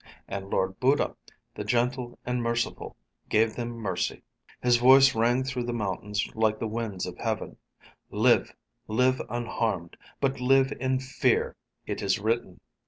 And Lord Buddha, the gentle and merciful, gave them mercy. His voice rang through the mountains like the winds of heaven: "Live! Live unharmed. But live in fear! It is written."